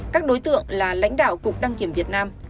các đối tượng là lãnh đạo cục đăng kiểm việt nam